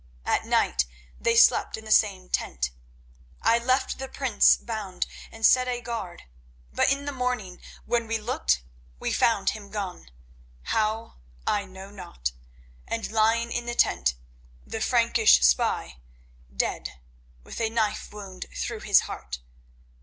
At night they slept in the same tent; I left the prince bound and set a guard, but in the morning when we looked we found him gone—how, I know not—and lying in the tent the Frankish spy, dead, with a knife wound through his heart.